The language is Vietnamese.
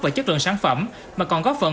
và chất lượng sản phẩm mà còn góp phần